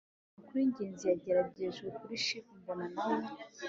amakuru y'ingenzi yagejejwe kuri chief mboga na we